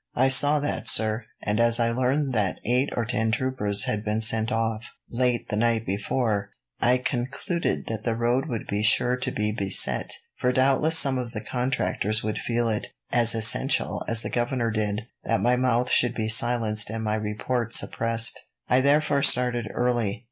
"I saw that, sir; and as I learned that eight or ten troopers had been sent off, late the night before, I concluded that the road would be sure to be beset, for doubtless some of the contractors would feel it as essential as the governor did, that my mouth should be silenced and my report suppressed. I therefore started early.